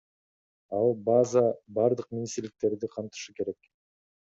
Ал база бардык министрликтерди камтышы керек.